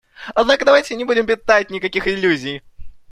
Однако давайте не будем питать никаких иллюзий.